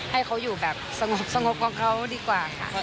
ให้เขาอยู่แบบสงบของเขาดีกว่าค่ะ